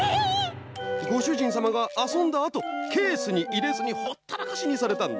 ごしゅじんさまがあそんだあとケースにいれずにほったらかしにされたんだ。